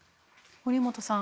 堀本さん